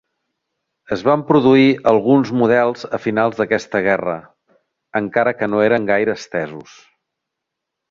Es van produir alguns models a finals d'aquesta guerra, encara que no eren gaire estesos.